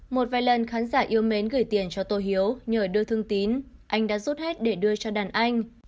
một vài lần khán giả yêu mến gửi tiền cho tô hiếu nhờ đưa thương tín anh đã rút hết để đưa cho đàn anh